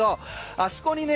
あそこにね